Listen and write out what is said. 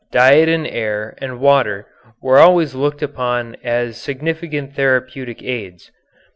Diet and air and water were always looked upon as significant therapeutic aids.